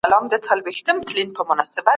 نظري پوښتنې موږ ته د "ولې" ځواب راکوي.